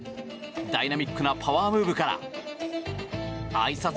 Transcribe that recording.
ダイナミックなパワームーブからあいさつ